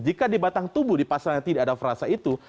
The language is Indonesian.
jika di batang tubuh di pasalnya tidak ada frasa itu